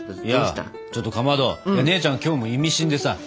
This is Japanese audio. いやちょっとかまど姉ちゃんが今日も意味深でさ。